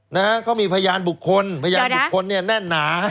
นะฮะเขามีพยานบุคคลพยานบุคคลเนี่ยแน่นหนา